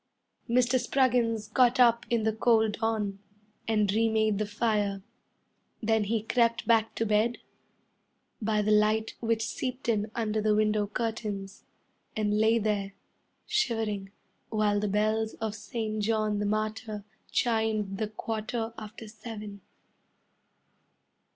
Mr. Spruggins got up in the cold dawn And remade the fire. Then he crept back to bed By the light which seeped in under the window curtains, And lay there, shivering, While the bells of St. George the Martyr chimed the quarter after seven.